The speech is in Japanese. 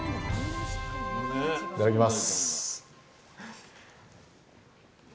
いただきます。